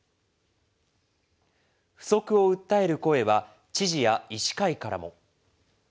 不足を訴える声は知事や医師会からも。